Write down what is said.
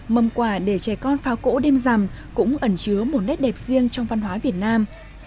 mầm quả để trẻ con phao cỗ đêm rằng cũng ẩn chứa một nét đẹp riêng trong văn hóa việt nam